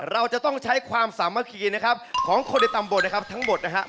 เราจะต้องใช้ความสามารถพวกในตำบหนทั้งหมดนะครับ